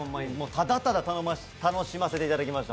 ただただ、楽しませていただきました。